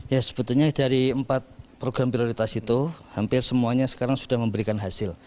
ya sebetulnya dari empat program prioritas itu hampir semuanya sekarang sudah memberikan hasil